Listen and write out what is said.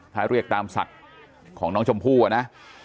ถ้าเรียกตามศักดิ์ของน้องชมพู่นะ